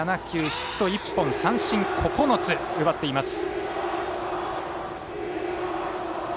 ヒット１本、三振９つ奪っています。